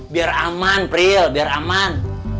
biar aman pre biar aman